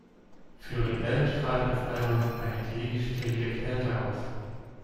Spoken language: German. Für Rebell strahlte das Album „eine klinisch sterile Kälte“ aus.